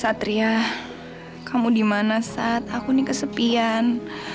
satria kamu dimana saat aku ini kesepian